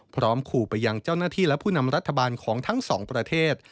พร้อมขู่ไปยังเจ้าหน้าที่และผู้นำรัฐบาลของทั้งสองประเทศ